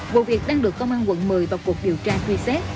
vụ việc đang được công an quận một mươi vào cuộc điều tra truy xét